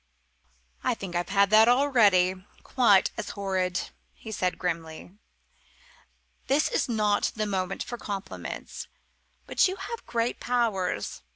"I think I've had that already quite as horrid," he said grimly. "This is not the moment for compliments but you have great powers.